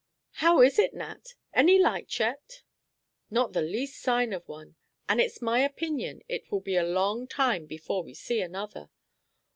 "How is it, Nat? Any light yet?" "Not the least sign of one, and it's my opinion it will be a long time before we see another."